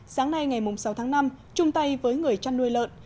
sáng nay ngày sáu tháng năm chung tay với người chăn nuôi lợn